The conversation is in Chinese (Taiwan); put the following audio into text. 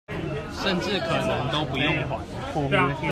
甚至可能都不用還